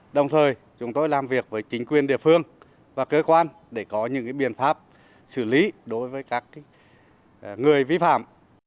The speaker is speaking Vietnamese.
đồng thời chúng tôi làm việc với chính quyền địa phương và cơ quan để có những biện pháp xử lý đối với các người vi phạm